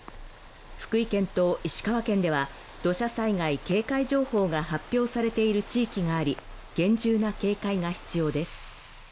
福井県と石川県では土砂災害警戒情報が発表されている地域があり厳重な警戒が必要です